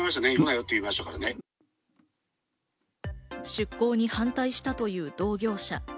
出港に反対したという同業者。